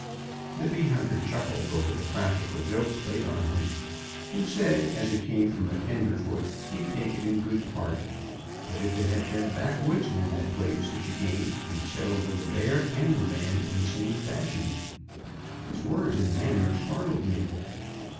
'" The bee hunter chuckled over the practical joke played on him, and said as it came from a tenderfoot he'd take it in good part; but if it had been a backwoodsman that played such a game he'd settle with the bear and the man in the same fashion. His words and manner startled me.